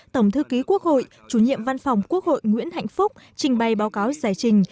tổng thư ký quốc hội chủ nhiệm văn phòng quốc hội nguyễn hạnh phúc trình bày báo cáo giải trình